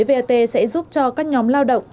vat sẽ giúp cho các nhóm lao động